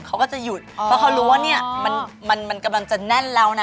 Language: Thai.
เขาก็จะหยุดเพราะเขารู้ว่าเนี่ยมันกำลังจะแน่นแล้วนะ